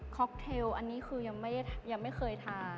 ็อกเทลอันนี้คือยังไม่เคยทาน